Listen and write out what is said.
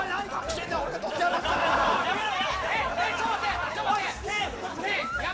健、やめろ！